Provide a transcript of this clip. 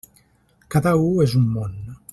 Cada u és un món.